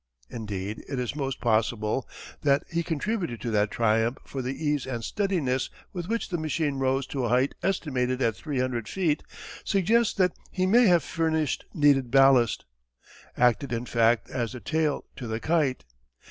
Indeed it is most possible that he contributed to that triumph for the ease and steadiness with which the machine rose to a height estimated at three hundred feet suggests that he may have furnished needed ballast acted in fact as the tail to the kite.